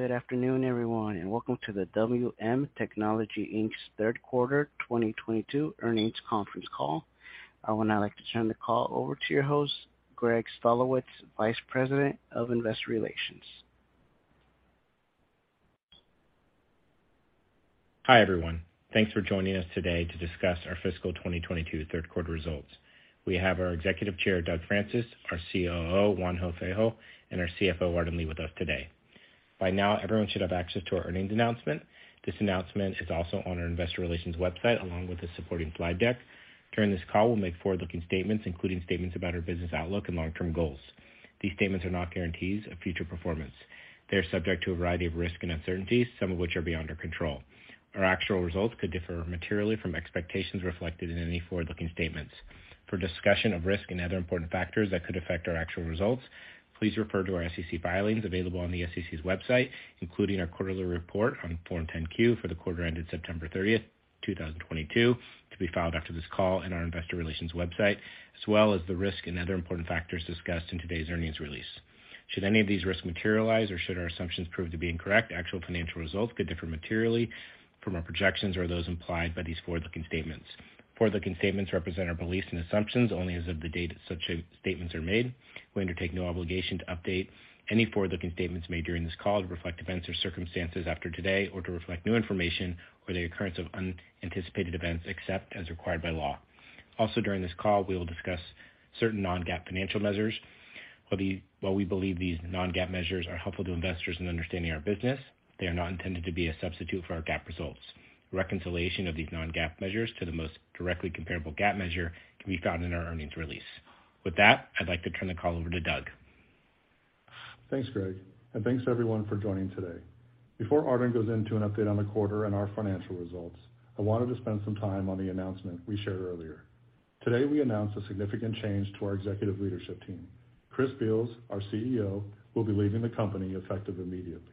Good afternoon, everyone, and welcome to the WM Technology, Inc.'s third quarter 2022 earnings conference call. I would now like to turn the call over to your host, Greg Stolowitz, Vice President of Investor Relations. Hi, everyone. Thanks for joining us today to discuss our fiscal 2022 third quarter results. We have our Executive Chair, Doug Francis, our COO, Juanjo Feijoo, and our CFO, Arden Lee, with us today. By now, everyone should have access to our earnings announcement. This announcement is also on our investor relations website, along with the supporting slide deck. During this call, we'll make forward-looking statements, including statements about our business outlook and long-term goals. These statements are not guarantees of future performance. They are subject to a variety of risks and uncertainties, some of which are beyond our control. Our actual results could differ materially from expectations reflected in any forward-looking statements. For discussion of risk and other important factors that could affect our actual results, please refer to our SEC filings available on the SEC's website, including our quarterly report on Form 10-Q for the quarter ended September 30th, 2022, to be filed after this call in our investor relations website, as well as the risk and other important factors discussed in today's earnings release. Should any of these risks materialize or should our assumptions prove to be incorrect, actual financial results could differ materially from our projections or those implied by these forward-looking statements. Forward-looking statements represent our beliefs and assumptions only as of the date such statements are made. We undertake no obligation to update any forward-looking statements made during this call to reflect events or circumstances after today or to reflect new information, or the occurrence of unanticipated events except as required by law. Also, during this call, we will discuss certain non-GAAP financial measures. While we believe these non-GAAP measures are helpful to investors in understanding our business, they are not intended to be a substitute for our GAAP results. Reconciliation of these non-GAAP measures to the most directly comparable GAAP measure can be found in our earnings release. With that, I'd like to turn the call over to Doug. Thanks, Greg, and thanks everyone for joining today. Before Arden goes into an update on the quarter and our financial results, I wanted to spend some time on the announcement we shared earlier. Today, we announced a significant change to our executive leadership team. Chris Beals, our CEO, will be leaving the company effective immediately.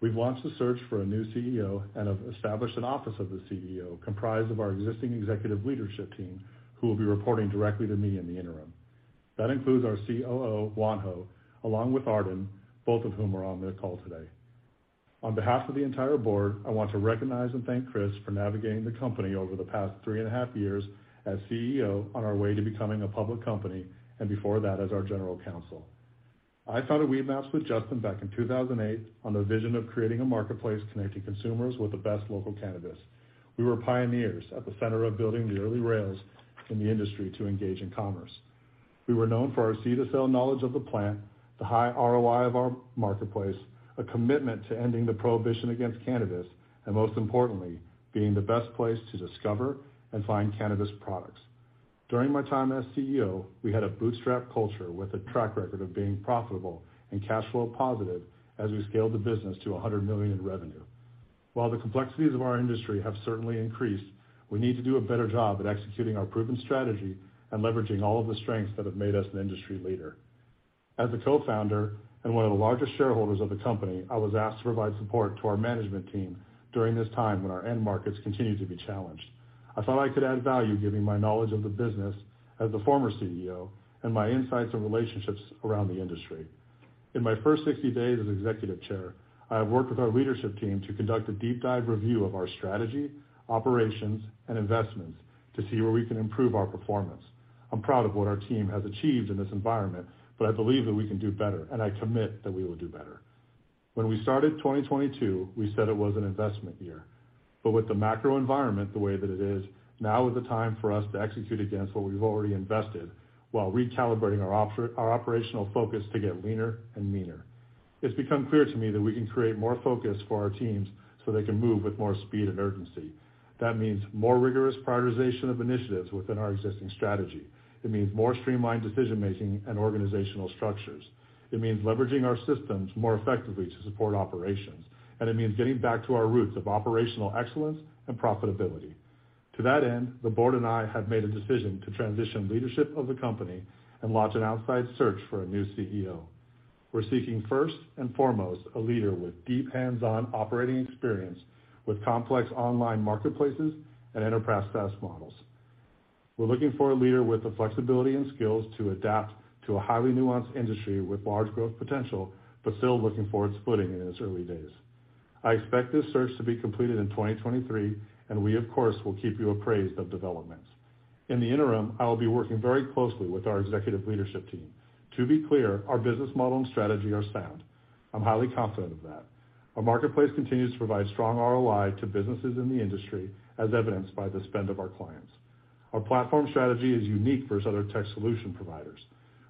We've launched a search for a new CEO and have established an office of the CEO comprised of our existing executive leadership team, who will be reporting directly to me in the interim. That includes our COO, Juanjo Feijoo, along with Arden, both of whom are on the call today. On behalf of the entire board, I want to recognize and thank Chris for navigating the company over the past three and a half years as CEO on our way to becoming a public company, and before that, as our general counsel. I founded Weedmaps with Justin back in 2008 on the vision of creating a marketplace connecting consumers with the best local cannabis. We were pioneers at the center of building the early rails in the industry to engage in commerce. We were known for our seed-to-sale knowledge of the plant, the high ROI of our marketplace, a commitment to ending the prohibition against cannabis, and most importantly, being the best place to discover and find cannabis products. During my time as CEO, we had a bootstrap culture with a track record of being profitable and cash flow positive as we scaled the business to $100 million in revenue. While the complexities of our industry have certainly increased, we need to do a better job at executing our proven strategy and leveraging all of the strengths that have made us an industry leader. As a co-founder and one of the largest shareholders of the company, I was asked to provide support to our management team during this time when our end markets continue to be challenged. I thought I could add value giving my knowledge of the business as a former CEO and my insights and relationships around the industry. In my first 60 days as Executive Chair, I have worked with our leadership team to conduct a deep dive review of our strategy, operations, and investments to see where we can improve our performance. I'm proud of what our team has achieved in this environment, but I believe that we can do better, and I commit that we will do better. When we started 2022, we said it was an investment year. With the macro environment the way that it is, now is the time for us to execute against what we've already invested while recalibrating our operational focus to get leaner and meaner. It's become clear to me that we can create more focus for our teams so they can move with more speed and urgency. That means more rigorous prioritization of initiatives within our existing strategy. It means more streamlined decision-making and organizational structures. It means leveraging our systems more effectively to support operations. It means getting back to our roots of operational excellence and profitability. To that end, the board and I have made a decision to transition leadership of the company and launch an outside search for a new CEO. We're seeking, first and foremost, a leader with deep hands-on operating experience with complex online marketplaces and enterprise SaaS models. We're looking for a leader with the flexibility and skills to adapt to a highly nuanced industry with large growth potential but still looking for its footing in its early days. I expect this search to be completed in 2023, and we of course will keep you apprised of developments. In the interim, I will be working very closely with our executive leadership team. To be clear, our business model and strategy are sound. I'm highly confident of that. Our marketplace continues to provide strong ROI to businesses in the industry, as evidenced by the spend of our clients. Our platform strategy is unique versus other tech solution providers.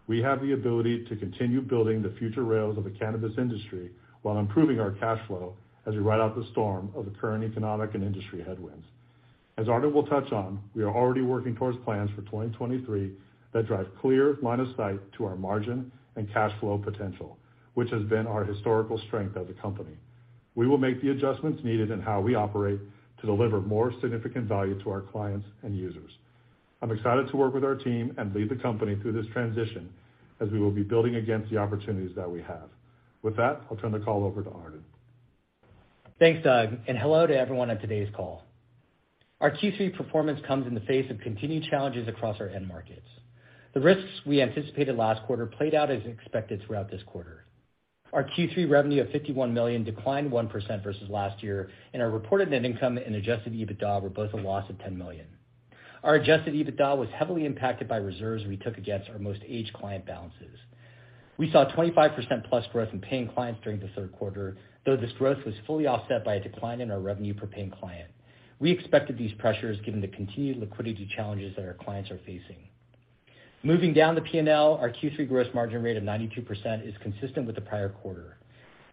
We have the ability to continue building the future rails of the cannabis industry while improving our cash flow as we ride out the storm of the current economic and industry headwinds. As Arden will touch on, we are already working towards plans for 2023 that drive clear line of sight to our margin and cash flow potential, which has been our historical strength as a company. We will make the adjustments needed in how we operate to deliver more significant value to our clients and users. I'm excited to work with our team and lead the company through this transition as we will be building against the opportunities that we have. With that, I'll turn the call over to Arden. Thanks, Doug, and hello to everyone on today's call. Our Q3 performance comes in the face of continued challenges across our end markets. The risks we anticipated last quarter played out as expected throughout this quarter. Our Q3 revenue of $51 million declined 1% versus last year, and our reported net income and adjusted EBITDA were both a loss of $10 million. Our adjusted EBITDA was heavily impacted by reserves we took against our most aged client balances. We saw 25%+ growth in paying clients during the third quarter, though this growth was fully offset by a decline in our revenue per paying client. We expected these pressures given the continued liquidity challenges that our clients are facing. Moving down the P&L, our Q3 gross margin rate of 92% is consistent with the prior quarter.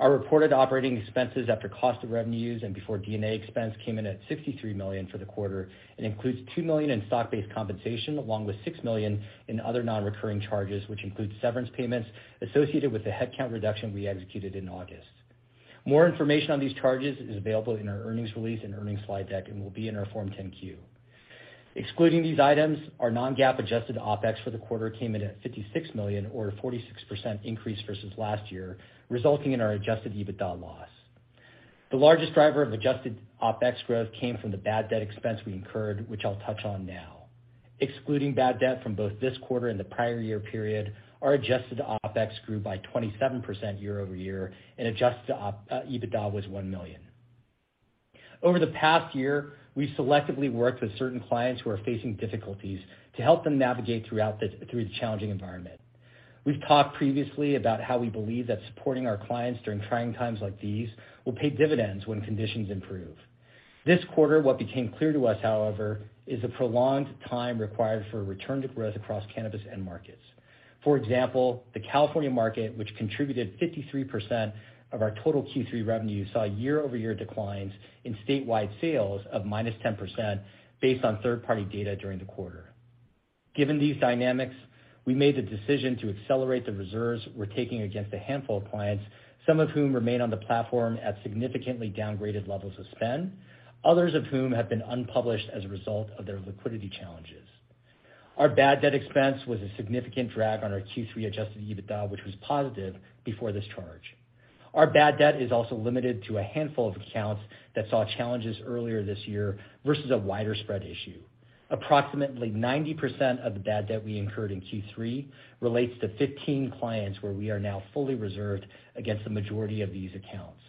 Our reported operating expenses after cost of revenues and before D&A expense came in at $63 million for the quarter, and includes $2 million in stock-based compensation, along with $6 million in other non-recurring charges, which includes severance payments associated with the headcount reduction we executed in August. More information on these charges is available in our earnings release and earnings slide deck and will be in our Form 10-Q. Excluding these items, our non-GAAP adjusted OPEX for the quarter came in at $56 million, or a 46% increase versus last year, resulting in our adjusted EBITDA loss. The largest driver of adjusted OPEX growth came from the bad debt expense we incurred, which I'll touch on now. Excluding bad debt from both this quarter and the prior year period, our adjusted OPEX grew by 27% year-over-year, and adjusted EBITDA was $1 million. Over the past year, we've selectively worked with certain clients who are facing difficulties to help them navigate through the challenging environment. We've talked previously about how we believe that supporting our clients during trying times like these will pay dividends when conditions improve. This quarter, what became clear to us, however, is the prolonged time required for a return to growth across cannabis end markets. For example, the California market, which contributed 53% of our total Q3 revenue, saw year-over-year declines in statewide sales of -10% based on third-party data during the quarter. Given these dynamics, we made the decision to accelerate the reserves we're taking against a handful of clients, some of whom remain on the platform at significantly downgraded levels of spend, others of whom have been unpublished as a result of their liquidity challenges. Our bad debt expense was a significant drag on our Q3 adjusted EBITDA, which was positive before this charge. Our bad debt is also limited to a handful of accounts that saw challenges earlier this year versus a wider spread issue. Approximately 90% of the bad debt we incurred in Q3 relates to 15 clients where we are now fully reserved against the majority of these accounts.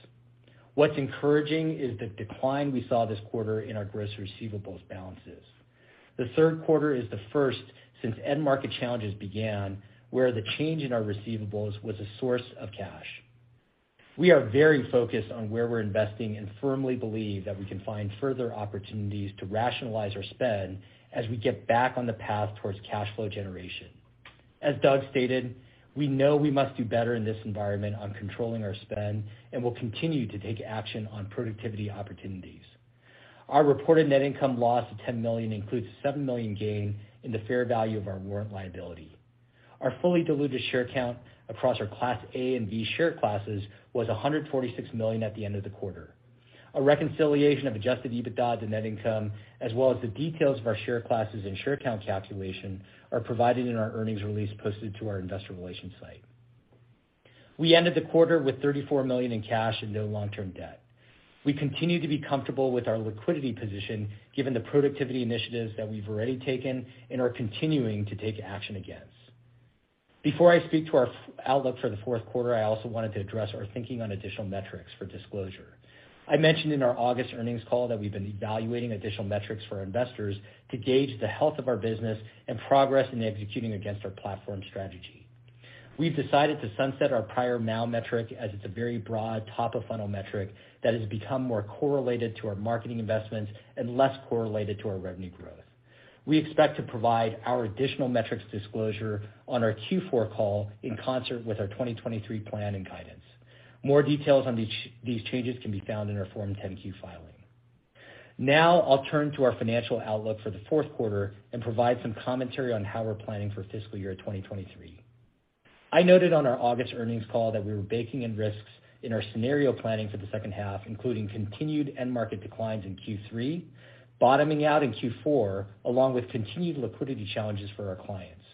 What's encouraging is the decline we saw this quarter in our gross receivable's balances. The third quarter is the first since end market challenges began, where the change in our receivables was a source of cash. We are very focused on where we're investing and firmly believe that we can find further opportunities to rationalize our spend as we get back on the path towards cash flow generation. As Doug stated, we know we must do better in this environment on controlling our spend and will continue to take action on productivity opportunities. Our reported net income loss of $10 million includes a $7 million gain in the fair value of our warrant liability. Our fully diluted share count across our Class A and B share classes was 146 million at the end of the quarter. A reconciliation of adjusted EBITDA to net income, as well as the details of our share classes and share count calculation, are provided in our earnings release posted to our investor relations site. We ended the quarter with $34 million in cash and no long-term debt. We continue to be comfortable with our liquidity position given the productivity initiatives that we've already taken and are continuing to take action against. Before I speak to our outlook for the fourth quarter, I also wanted to address our thinking on additional metrics for disclosure. I mentioned in our August earnings call that we've been evaluating additional metrics for our investors to gauge the health of our business and progress in executing against our platform strategy. We've decided to sunset our prior MAU metric as it's a very broad top-of-funnel metric that has become more correlated to our marketing investments and less correlated to our revenue growth. We expect to provide our additional metrics disclosure on our Q4 call in concert with our 2023 plan and guidance. More details on these changes can be found in our Form 10-Q filing. Now I'll turn to our financial outlook for the fourth quarter and provide some commentary on how we're planning for fiscal year 2023. I noted on our August earnings call that we were baking in risks in our scenario planning for the second half, including continued end market declines in Q3, bottoming out in Q4, along with continued liquidity challenges for our clients.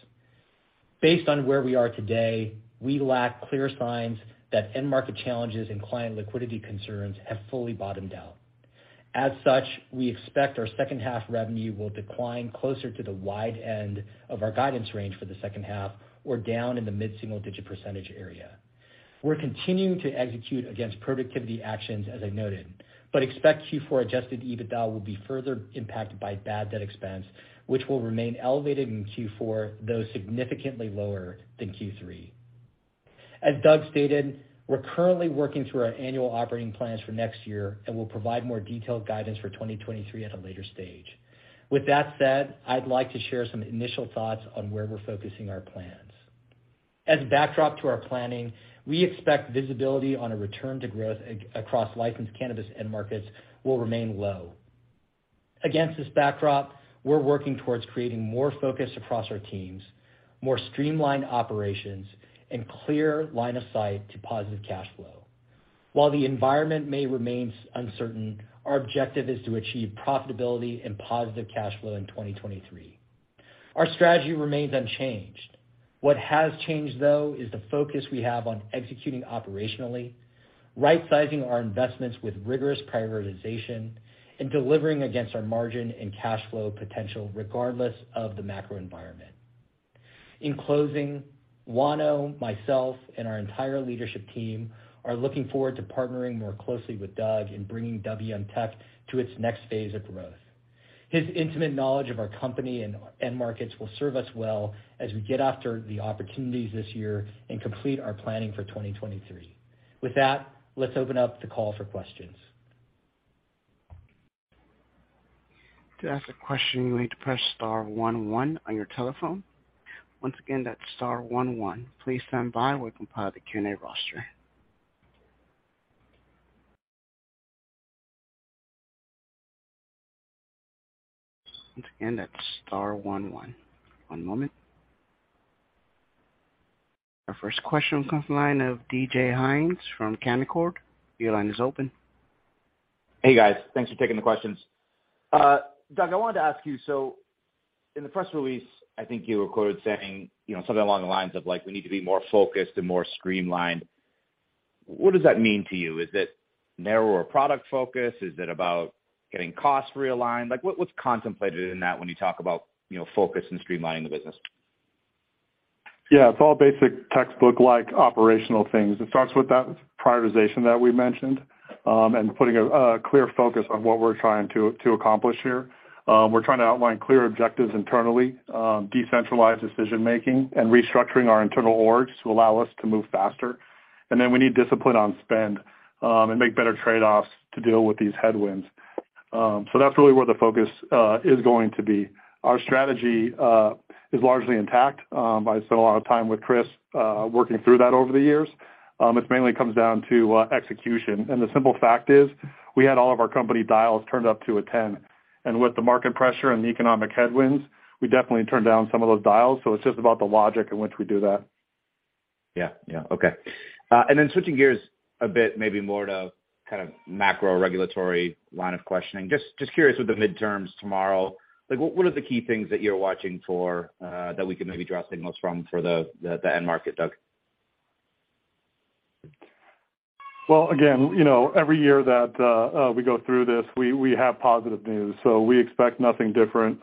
Based on where we are today, we lack clear signs that end market challenges and client liquidity concerns have fully bottomed out. As such, we expect our second half revenue will decline closer to the low end of our guidance range for the second half or down in the mid-single-digit % area. We're continuing to execute against productivity actions, as I noted, but expect Q4 adjusted EBITDA will be further impacted by bad debt expense, which will remain elevated in Q4, though significantly lower than Q3. As Doug stated, we're currently working through our annual operating plans for next year, and we'll provide more detailed guidance for 2023 at a later stage. With that said, I'd like to share some initial thoughts on where we're focusing our plans. As a backdrop to our planning, we expect visibility on a return to growth across licensed cannabis end markets will remain low. Against this backdrop, we're working towards creating more focus across our teams, more streamlined operations, and clear line of sight to positive cash flow. While the environment may remain uncertain, our objective is to achieve profitability and positive cash flow in 2023. Our strategy remains unchanged. What has changed, though, is the focus we have on executing operationally, right-sizing our investments with rigorous prioritization, and delivering against our margin and cash flow potential regardless of the macro environment. In closing, Juanjo, myself, and our entire leadership team are looking forward to partnering more closely with Doug in bringing WM Technology to its next phase of growth. His intimate knowledge of our company and markets will serve us well as we get after the opportunities this year and complete our planning for 2023. With that, let's open up the call for questions. To ask a question, you need to press star one one on your telephone. Once again, that's star one one. Please stand by while we compile the Q&A roster. Once again, that's star one one. One moment. Our first question comes from the line of DJ Hynes from Canaccord Genuity. Your line is open. Hey, guys. Thanks for taking the questions. Doug, I wanted to ask you. In the press release, I think you were quoted saying, you know, something along the lines of, like, we need to be more focused and more streamlined. What does that mean to you? Is it narrower product focus? Is it about getting costs realigned? Like what's contemplated in that when you talk about, you know, focus and streamlining the business? Yeah. It's all basic textbook-like operational things. It starts with that prioritization that we mentioned, and putting a clear focus on what we're trying to accomplish here. We're trying to outline clear objectives internally, decentralize decision-making, and restructuring our internal orgs to allow us to move faster. We need discipline on spend, and make better trade-offs to deal with these headwinds. That's really where the focus is going to be. Our strategy is largely intact. I spent a lot of time with Chris working through that over the years. This mainly comes down to execution. The simple fact is we had all of our company dials turned up to a ten, and with the market pressure and the economic headwinds, we definitely turned down some of those dials. It's just about the logic in which we do that. Yeah, yeah. Okay. Switching gears a bit, maybe more to kind of macro regulatory line of questioning. Just curious with the midterms tomorrow, like what are the key things that you're watching for, that we can maybe draw signals from for the end market, Doug? Well, again, you know, every year that we go through this, we have positive news, so we expect nothing different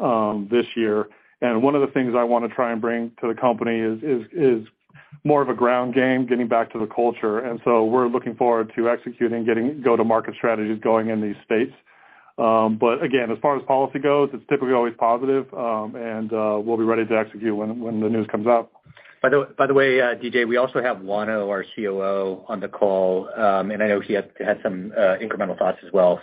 this year. One of the things I wanna try and bring to the company is more of a ground game, getting back to the culture. We're looking forward to executing, getting go-to-market strategies going in these states. But again, as far as policy goes, it's typically always positive, and we'll be ready to execute when the news comes up. By the way, DJ, we also have Juanjo, our COO, on the call, and I know he had some incremental thoughts as well.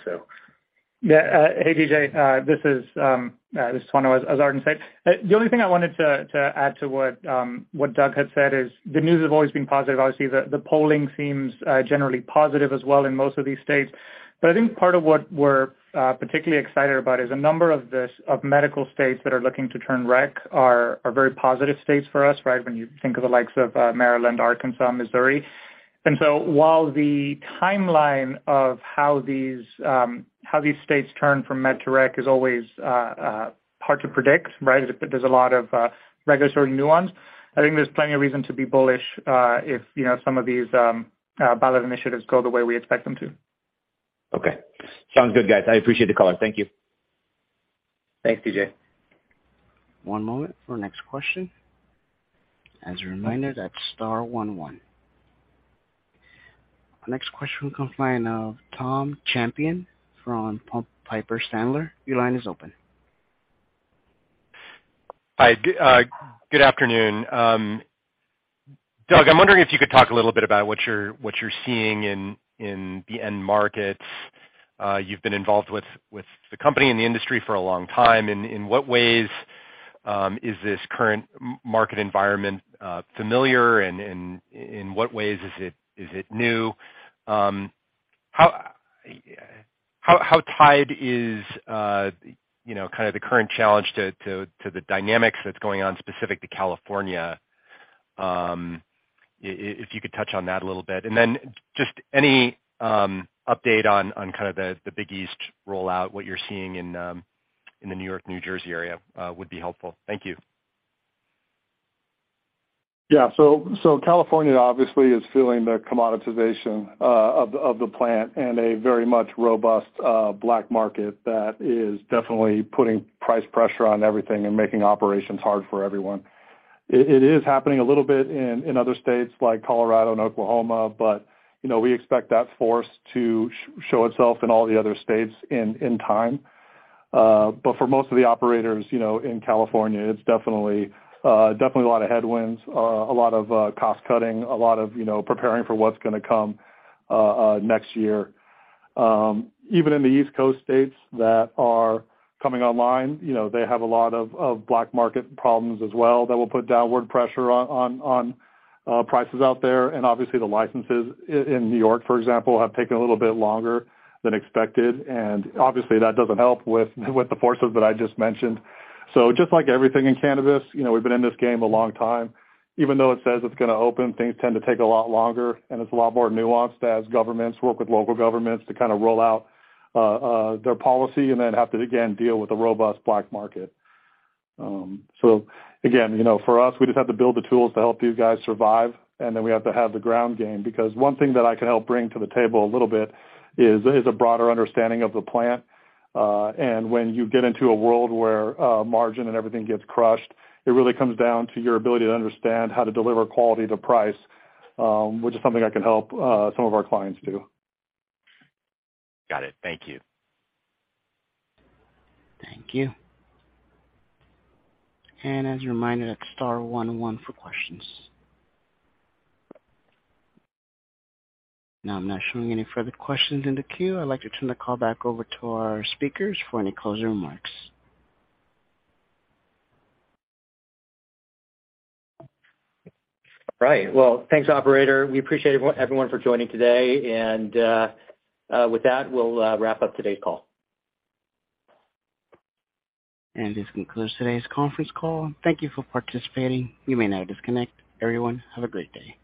Yeah. Hey, DJ, this is Juanjo, as Arden said. The only thing I wanted to add to what Doug had said is the news have always been positive. Obviously, the polling seems generally positive as well in most of these states. But I think part of what we're particularly excited about is a number of medical states that are looking to turn rec are very positive states for us, right? When you think of the likes of Maryland, Arkansas, Missouri. While the timeline of how these states turn from med to rec is always hard to predict, right? There's a lot of regulatory nuance. I think there's plenty of reason to be bullish, if you know, some of these ballot initiatives go the way we expect them to. Okay. Sounds good, guys. I appreciate the call. Thank you. Thanks, DJ. One moment for next question. As a reminder, that's star one one. Our next question comes from the line of Tom Champion from Piper Sandler. Your line is open. Hi. Good afternoon. Doug, I'm wondering if you could talk a little bit about what you're seeing in the end markets. You've been involved with the company and the industry for a long time. In what ways is this current market environment familiar, and in what ways is it new? How tied is, you know, kind of the current challenge to the dynamics that's going on specific to California? If you could touch on that a little bit. Then just any update on kind of the East Coast rollout, what you're seeing in the New York-New Jersey area, would be helpful. Thank you. California obviously is feeling the commoditization of the plant and a very robust black market that is definitely putting price pressure on everything and making operations hard for everyone. It is happening a little bit in other states like Colorado and Oklahoma, but you know, we expect that force to show itself in all the other states in time. For most of the operators you know in California, it's definitely a lot of headwinds, a lot of cost-cutting, a lot of you know preparing for what's gonna come next year. Even in the East Coast states that are coming online, you know, they have a lot of black-market problems as well that will put downward pressure on prices out there. Obviously, the licenses in New York, for example, have taken a little bit longer than expected, and obviously that doesn't help with the forces that I just mentioned. Just like everything in cannabis, you know, we've been in this game a long time. Even though it says it's gonna open, things tend to take a lot longer and it's a lot more nuanced as governments work with local governments to kind of roll out their policy and then have to again deal with the robust black market. Again, you know, for us, we just have to build the tools to help these guys survive, and then we have to have the ground game. Because one thing that I can help bring to the table a little bit is a broader understanding of the plant. When you get into a world where margin and everything gets crushed, it really comes down to your ability to understand how to deliver quality to price, which is something I can help some of our clients do. Got it. Thank you. Thank you. As a reminder, that's star one one for questions. Now I'm not showing any further questions in the queue. I'd like to turn the call back over to our speakers for any closing remarks. All right. Well, thanks, operator. We appreciate everyone for joining today. With that, we'll wrap up today's call. This concludes today's conference call. Thank you for participating. You may now disconnect. Everyone, have a great day.